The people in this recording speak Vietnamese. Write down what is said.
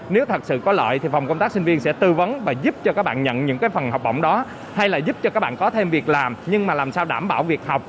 nếu thật sự có lợi thì phòng công tác sinh viên sẽ tư vấn và giúp cho các bạn nhận những cái phần học bổng đó hay là giúp cho các bạn có thêm việc làm nhưng mà làm sao đảm bảo việc học